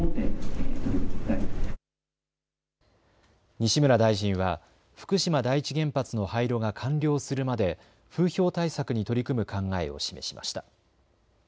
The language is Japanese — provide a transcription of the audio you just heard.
西村大臣は福島第一原発の廃炉が完了するまで風評対策に取り組む考えを示しました。